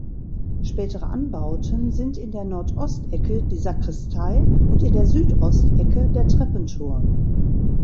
Spätere Anbauten sind in der Nordostecke die Sakristei und in der Südostecke der Treppenturm.